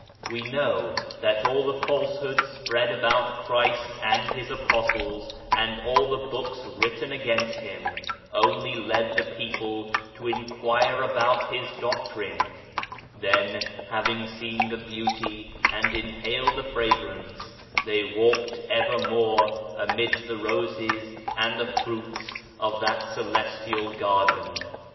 We know that all the falsehoods spread about Christ and His Apostles and all the books written against Him, only led the people to inquire into His doctrine ; then, having seen the beauty and inhaled the fragrance, they walked evermore amidst the roses and the fruits of that Celestial garden.